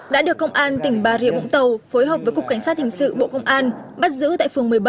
đã được công an tỉnh bà rịa vũng tàu phối hợp với cục cảnh sát hình sự bộ công an bắt giữ tại phường một mươi bảy